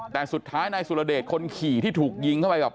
แต่สุดท้ายนายสุรเดชคนขี่ที่ถูกยิงเข้าไปแบบ